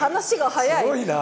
すごいな！